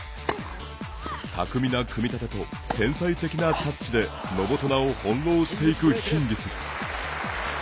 巧みな組み立てと天才的なタッチでノボトナを翻弄していくヒンギス。